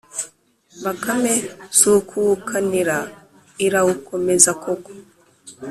bakame si ukuwukanira irawukomeza koko.